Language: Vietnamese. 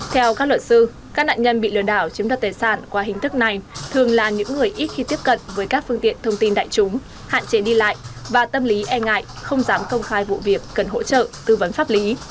theo các luật sư các nạn nhân bị lừa đảo chiếm đoạt tài sản qua hình thức này thường là những người ít khi tiếp cận với các phương tiện thông tin đại chúng hạn chế đi lại và tâm lý e ngại không dám công khai vụ việc cần hỗ trợ tư vấn pháp lý